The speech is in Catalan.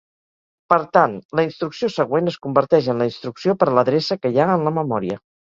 Per tant, la instrucció següent es converteix en la instrucció per a l'adreça que hi ha en la memòria.